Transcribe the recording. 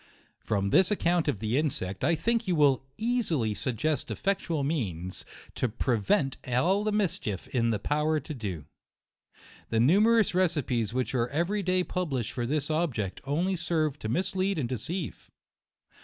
From this account of the insect, I think you will easily suggest effectual means to prevent all the mischief in their power to do. The numerous recipes which are every day pub lished for this object, only serve to mislead and deceive.